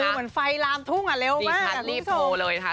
คือเหมือนไฟลามทุ่งอะเร็วมากค่ะคุณผู้ชมดีทัศน์รีบโทรเลยนะคะ